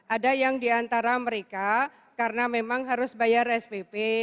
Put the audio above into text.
ada yang diantara mereka karena memang harus bayar spp